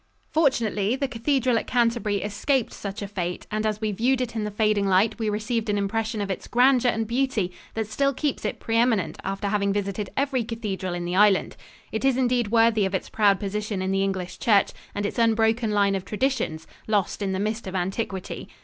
Fortunately, the cathedral at Canterbury escaped such a fate, and as we viewed it in the fading light we received an impression of its grandeur and beauty that still keeps it pre eminent after having visited every cathedral in the island. It is indeed worthy of its proud position in the English church and its unbroken line of traditions, lost in the mist of antiquity.